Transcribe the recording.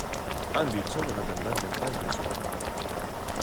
Han dicho que no tendrán que entrar en prisión.